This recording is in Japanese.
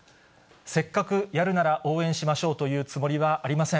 せっかくやるなら応援しましょうというつもりはありません。